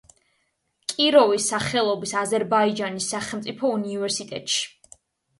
კიროვის სახელობის აზერბაიჯანის სახელმწიფო უნივერსიტეტში.